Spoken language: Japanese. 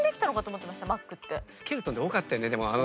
スケルトン多かったよね。